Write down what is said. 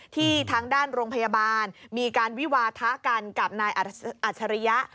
ทางด้านโรงพยาบาลมีการวิวาทะกันกับนายอัจฉริยะ